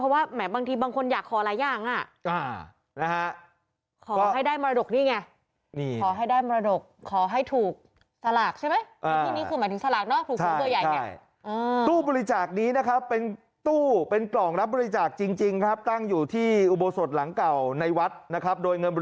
เพราะว่าแหมบางทีบางคนอยากขออะไรอย่าง